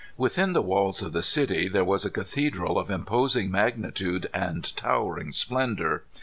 Within the walls of the city there was a cathedral of imposing magnitude and towering splendor.